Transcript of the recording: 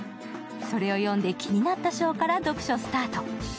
それを読んで気になった章から読書スタート。